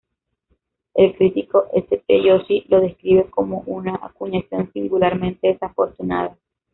El crítico S. T. Joshi lo describe como "una acuñación singularmente desafortunada".